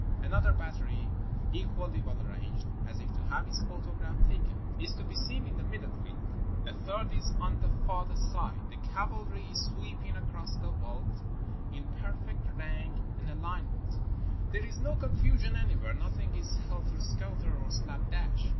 Another battery, equally well arranged, as if to have its photograph taken, is to be seen in the middle field; a third is on the farther side. The cavalry is sweeping across the veldt in perfect rank and alignment. 460 A MODERN BATTLEFIELD There is no confusion anywhere — nothing is helter skelter or slap dash.